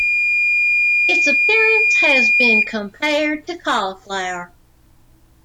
Its appearance has been compared to cauliflower.